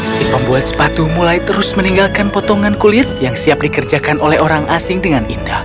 si pembuat sepatu mulai terus meninggalkan potongan kulit yang siap dikerjakan oleh orang asing dengan indah